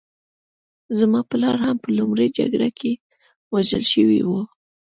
زما پلار هم په لومړۍ جګړه کې وژل شوی و